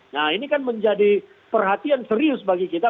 nah ini kan menjadi perhatian serius bagi kita